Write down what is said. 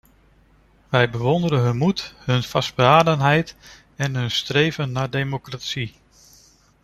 Wij bewonderen hun moed, hun vastberadenheid en hun streven naar democratie.